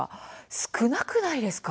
少なくないですか。